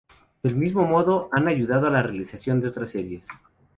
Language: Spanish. Del mismo modo, han ayudado a la realización de otras series.